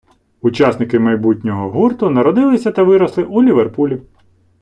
Учасники майбутнього гурту народилися та виросли у Ліверпулі.